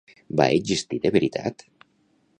Va existir de veritat?